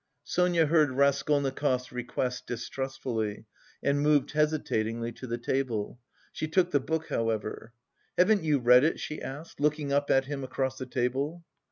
Sonia heard Raskolnikov's request distrustfully and moved hesitatingly to the table. She took the book however. "Haven't you read it?" she asked, looking up at him across the table.